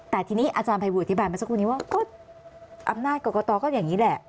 แต่ทีนี้อาจารย์ภัยบูลอธิบายมาสักครู่นี้ว่าก็อำนาจกรกตก็อย่างนี้แหละ